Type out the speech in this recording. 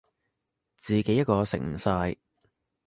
自己一個食唔晒